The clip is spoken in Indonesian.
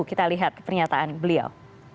kita lihat pernyataan beliau